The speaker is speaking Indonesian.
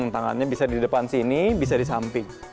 tangannya bisa di depan sini bisa di samping